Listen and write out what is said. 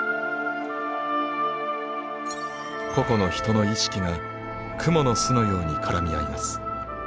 個々の人の意識がくもの巣のように絡み合います。